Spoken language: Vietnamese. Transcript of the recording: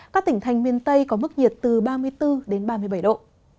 các tỉnh thành miền tây có mức nhiệt từ ba mươi bốn đến ba mươi bảy độ